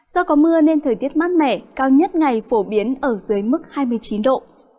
do có mưa nên thời tiết mát mẻ cao nhất ngày phổ biến ở dưới mức hai mươi chín độ